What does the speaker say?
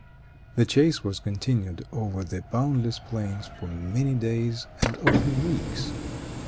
The chase was continued, over the boundless plains, for many days and often weeks.